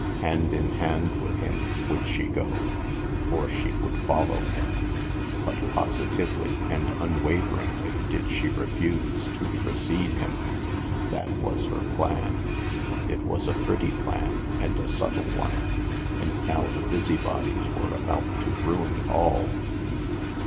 Hand in hand with him would she go, or she would follow him. 298 THE MASK But positively and unwaveringly did she refuse to precede him. That was her plan. It was a pretty plan and a subtle one, and now the busybodies were about to ruin it all.